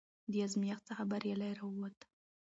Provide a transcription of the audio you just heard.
د ازمېښت څخه بریالی راووت،